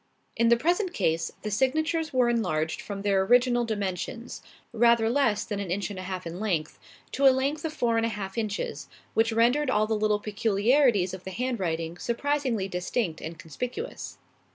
In the present case, the signatures were enlarged from their original dimensions rather less than an inch and a half in length to a length of four and a half inches; which rendered all the little peculiarities of the handwriting surprisingly distinct and conspicuous.